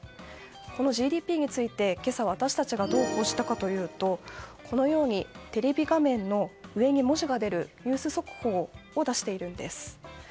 このＧＤＰについて今朝、私たちがどう報じたかというとこのようにテレビ画面の上に文字が出るニュース速報を出しているんです。